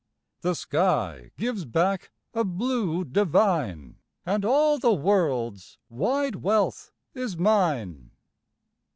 The sky gives back a blue divine, And all the world's wide wealth is mine.